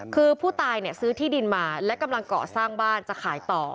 คือผู้ตายซื้อที่ดินมาและกำลังเกาะสร้างบ้านจะขายต่อ